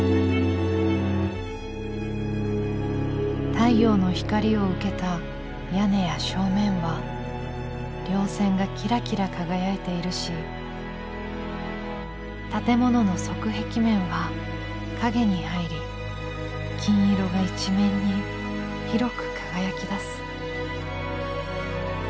「太陽の光を受けた屋根や正面は稜線がキラキラ輝いているし建物の側壁面は陰に入り金色が一面に広く輝きだす」。